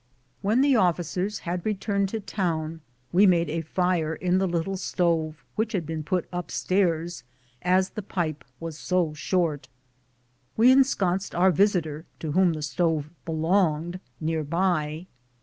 When the officers had returned to town, we made a fire in the little stove which had been put up stairs, as the pipe was so short. We ensconced our visitor, to whom the stove belonged, near by.